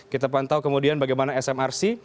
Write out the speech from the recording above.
kita pantau kemudian bagaimana smrc